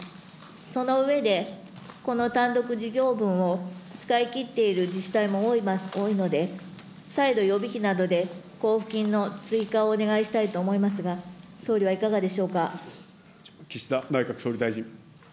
その上で、この単独事業分を使い切っている自治体も多いので、再度予備費などで交付金の追加をお願いしたいと思いますが、総理岸田内閣総理大臣。